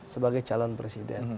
sebagai calon presiden